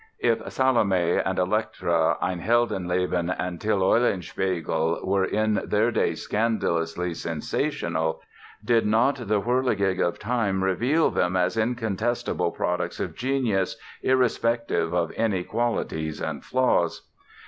If "Salome" and "Elektra", "Ein Heldenleben" and "Till Eulenspiegel" were in their day scandalously "sensational" did not the whirligig of time reveal them as incontestable products of genius, irrespective of inequalities and flaws?